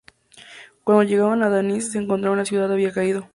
Cuando llegaron a Danzig se encontraron que la ciudad había caído.